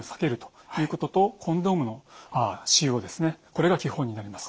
これが基本になります。